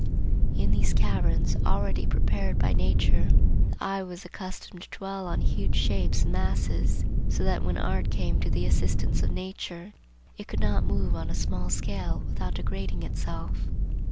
In these caverns, already prepared by nature, the eye was accustomed to dwell on huge shapes and masses, so that when art came to the assistance of nature it could not move on a small scale without degrading itself.